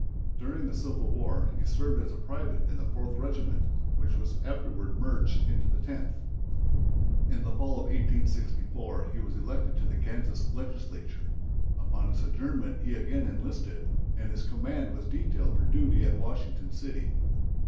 During the Civil War he served as a private in the Fourth Regiment, which was afterward merged into the Tenth. In the fall of 1864 he was elected to the Kansas Legislature. Upon its adjournment he again enlisted, and his command was detailed for duty at Washington City.